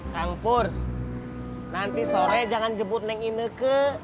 kang pur nanti sore jangan jebut neng ineke